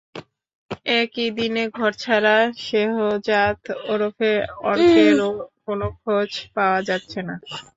একই দিনে ঘরছাড়া শেহজাদ ওরফে অর্কেরও কোনো খোঁজ পাওয়া যাচ্ছে না।